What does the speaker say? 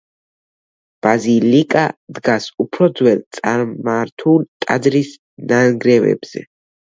ბაზილიკა დგას უფრო ძველ, წარმართული ტაძრის ნანგრევებზე.